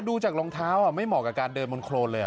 ดูจากรองเท้าไม่เหมาะกับการเดินบนโครนเลย